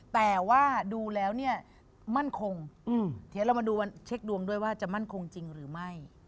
แต่ว่าดูแล้วเนี่ยมั่นคงเดี๋ยวเรามาดูเช็คดวงด้วยว่าจะมั่นคงจริงหรือไม่